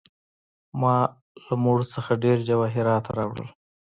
ما له مړو څخه ډیر جواهرات راوړل.